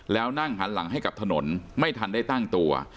แล้วนั่งหันหลังให้กับถนนไม่ทันได้ตั้งตัว